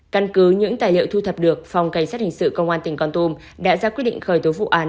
căn cứ những tài liệu thu thập được phòng cảnh sát hình sự công an tỉnh con tum đã ra quyết định khởi tố vụ án